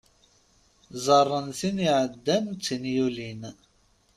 Ẓẓaren tin iɛeddan d tin yulin.